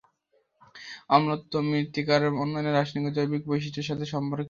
অম্লত্ব মৃত্তিকার অন্যান্য রাসায়নিক এবং জৈবিক বৈশিষ্ট্যের সাথেও সম্পর্কিত।